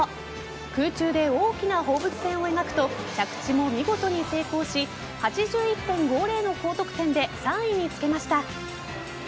空中で大きな放物線を描くと着地も見事に成功し８１．５０の高得点で３位につけました。